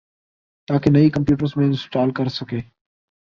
تاکہ نئی کمپیوٹرز میں انسٹال کر سکیں